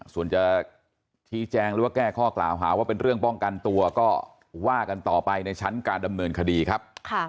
ส่วนจะชี้แจงหรือว่าแก้ข้อกล่าวหาว่าเป็นเรื่องป้องกันตัวก็ว่ากันต่อไปในชั้นการดำเนินคดีครับ